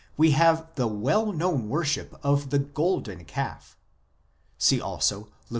we have the well known worship of the golden calf, see also Lev.